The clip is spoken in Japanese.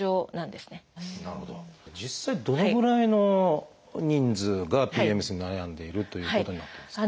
実際どのぐらいの人数がＰＭＳに悩んでいるということになってるんですか？